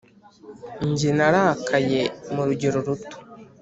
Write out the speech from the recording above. Jye narakaye mu rugero ruto